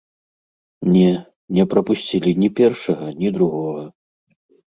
Не, не прапусцілі ні першага, ні другога.